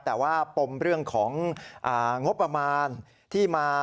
แต่ว่าปมเรื่องของงบประมาณที่มา